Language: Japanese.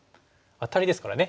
アタリですからね